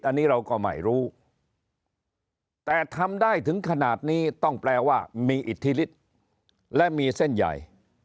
อันนี้เราก็ไม่รู้แต่ทำได้ถึงขนาดนี้ต้องแปลว่ามีอิทธิฤทธิ์และมีเส้นใหญ่